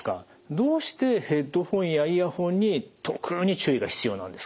どうしてヘッドホンやイヤホンに特に注意が必要なんですか？